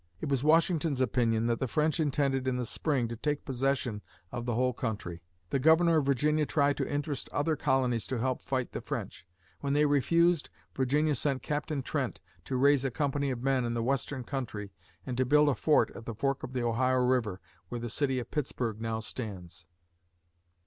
It was Washington's opinion that the French intended in the spring to take possession of the whole country. The Governor of Virginia tried to interest other colonies to help fight the French. When they refused, Virginia sent Captain Trent to raise a company of men in the western country and to build a fort at the fork of the Ohio River, where the city of Pittsburgh now stands.